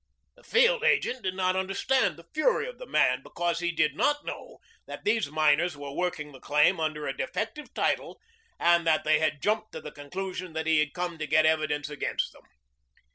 The field agent did not understand the fury of the man, because he did not know that these miners were working the claim under a defective title and that they had jumped to the conclusion that he had come to get evidence against them.